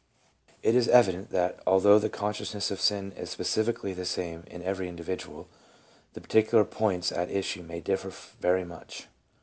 It is evident that although the consciousness of sin is spe cifically the same in every individual, the particular points at issue may differ very much.